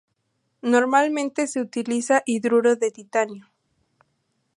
Normalmente se utiliza hidruro de titanio.